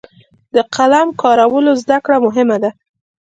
د قلم کارولو زده کړه مهمه ده.